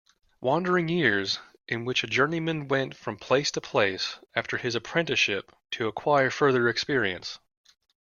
Wandering years, in which a journeyman went from place to place after his apprenticeship, to acquire further experience.